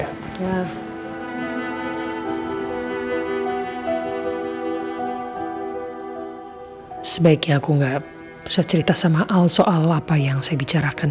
hai sebaiknya aku nggak usah cerita sama al soal apa yang saya bicarakan